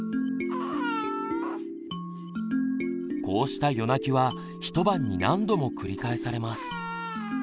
こうした夜泣きは一晩に何度も繰り返されます。